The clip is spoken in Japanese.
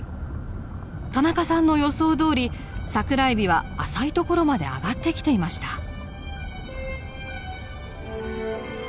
田中さんの予想どおりサクラエビは浅い所まで上がってきていました。